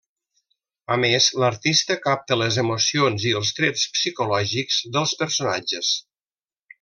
A més, l'artista capta les emocions i els trets psicològics dels personatges.